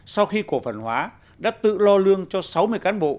sau khi cổ phần hóa đã tự lo lương cho sáu mươi cán bộ